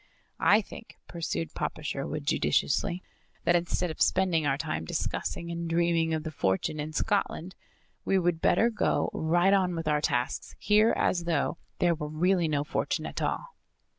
"I think," pursued Papa Sherwood judiciously, "that instead of spending our time discussing and dreaming of the fortune in Scotland, we would better go right on with our tasks here as though there were really no fortune at all."